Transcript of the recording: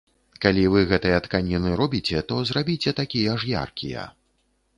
Калі вы гэтыя тканіны робіце, то зрабіце такія ж яркія.